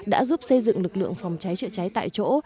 đã giúp xây dựng lực lượng phòng cháy chữa cháy tại chỗ